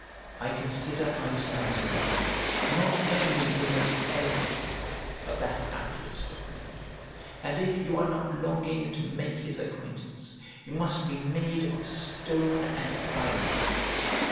I consider Isaeus then, not only the most eloquent, but the happiest, of men, and if you are not longing to make his acquaintance, you must be made of stone and iron.